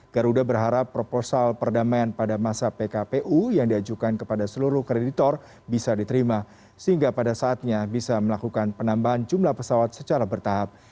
garuda berharap proposal perdamaian pada masa pkpu yang diajukan kepada seluruh kreditor bisa diterima sehingga pada saatnya bisa melakukan penambahan jumlah pesawat secara bertahap